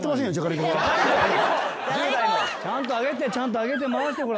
ちゃんと上げてちゃんと上げて回してほら。